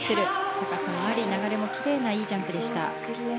高さもあり流れもきれいないいジャンプでした。